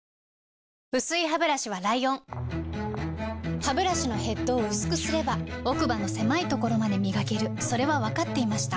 薄いハブラシはライオンハブラシのヘッドを薄くすれば奥歯の狭いところまで磨けるそれは分かっていました